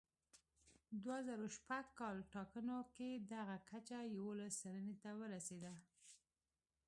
دوه زره شپږ کال ټاکنو کې دغه کچه یوولس سلنې ته ورسېده.